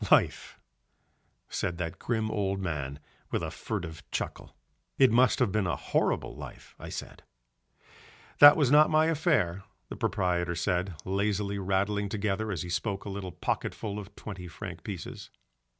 "Life," said that grim old man with a furtive chuckle. "It must have been a horrible life," I said. "That was not my affair," the proprietor said, lazily rattling together as he spoke a little pocketful of twenty franc pieces.